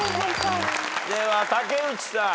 では竹内さん。